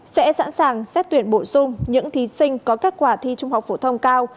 sẽ sẵn sàng xét tuyển bổ sung những thí sinh có kết quả thi trung học phổ thông cao